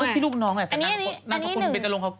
ลูกพี่ลูกน้องแหละแต่นั่งคุณเบนเจรงคกุล